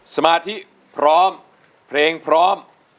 สมาธิพร้อมเพลงพร้อม